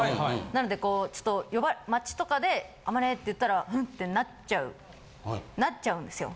なので街とかで「あまね」って言ったらん？ってなっちゃうなっちゃうんですよ。